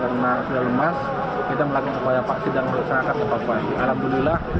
karena sudah lemas kita melakukan kekuatan pak sedang bersyarakat ke paspati alhamdulillah